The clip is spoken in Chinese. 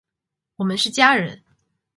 我们是家人！